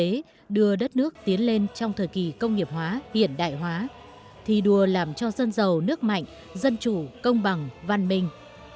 kinh tế đưa đất nước tiến lên trong thời kỳ công nghiệp hóa hiện đại hóa thi đua làm cho dân giàu nước mạnh dân chủ công bằng văn minh